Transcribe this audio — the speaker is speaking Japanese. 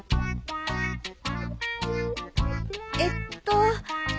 えっと